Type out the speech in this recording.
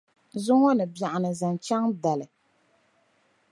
zuŋɔ ni biɛɣuni zaŋ chaŋ dali.